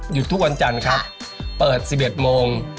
หยุดทุกวันจันทร์ครับเปิดสิบเอ็ดโมง